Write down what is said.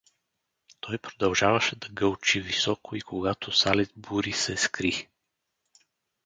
Той продължаваше да гълчи високо и когато Сализбури се скри.